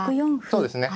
そうですね。